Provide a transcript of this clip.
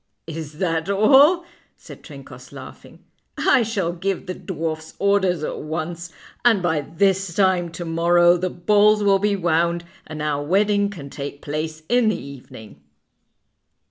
"Is that all?" said Trencoss, laughing. "I shall give the dwarfs orders at once, and by this time to morrow the balls will be wound, and our wedding can take place in the evening."